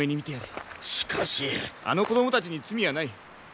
あの子供たちに罪はない。